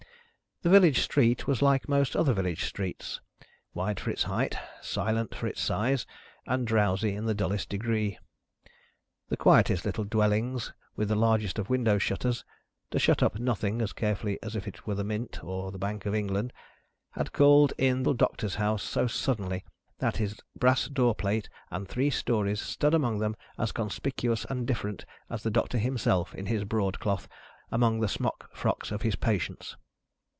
The village street was like most other village streets: wide for its height, silent for its size, and drowsy in the dullest degree. The quietest little dwellings with the largest of window shutters (to shut up Nothing as carefully as if it were the Mint, or the Bank of England) had called in the Doctor's house so suddenly, that his brass door plate and three stories stood among them as conspicuous and different as the doctor himself in his broadcloth, among the smock frocks of his patients.